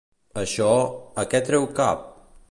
Això, a què treu cap?